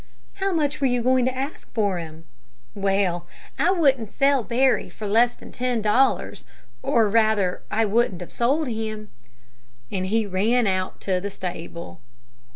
"How much were you going to ask for him?" "Well, I wouldn't sell Barry for less than ten dollars, or rather, I wouldn't have sold him," and he ran out to the stable.